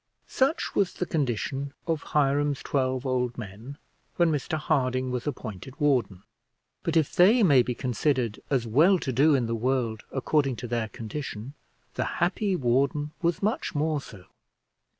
Such was the condition of Hiram's twelve old men when Mr Harding was appointed warden; but if they may be considered as well to do in the world according to their condition, the happy warden was much more so.